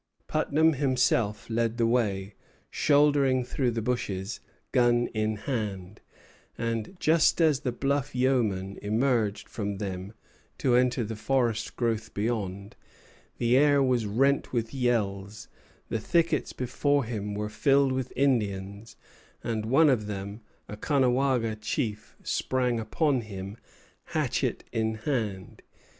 Putnam himself led the way, shouldering through the bushes, gun in hand; and just as the bluff yeoman emerged from them to enter the forest growth beyond, the air was rent with yells, the thickets before him were filled with Indians, and one of them, a Caughnawaga chief, sprang upon him, hatchet in hand.